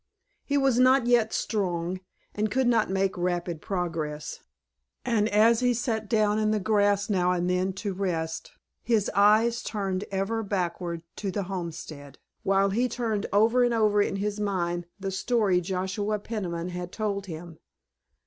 He was not yet strong, and could not make rapid progress, and as he sat down in the grass now and then to rest his eyes turned ever backward to the homestead, while he turned over and over in his mind the story Joshua Peniman had told him.